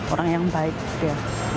orang yang baik dia